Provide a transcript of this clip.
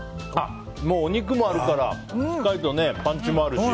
もうお肉もあるからしっかりとパンチもあるし。